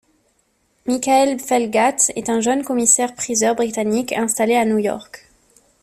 Michael Felgate est un jeune commissaire-priseur britannique installé à New York.